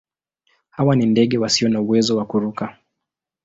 Hawa ni ndege wasio na uwezo wa kuruka.